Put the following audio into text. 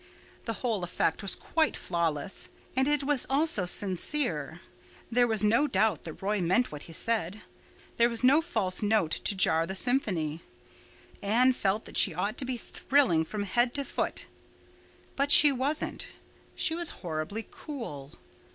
The whole effect was quite flawless. And it was also sincere. There was no doubt that Roy meant what he said. There was no false note to jar the symphony. Anne felt that she ought to be thrilling from head to foot. But she wasn't; she was horribly cool.